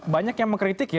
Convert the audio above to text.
banyak yang mengkritik